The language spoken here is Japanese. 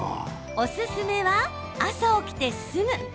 おすすめは朝起きてすぐ。